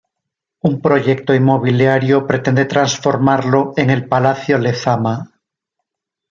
Un proyecto inmobiliario pretende transformarlo en el Palacio Lezama.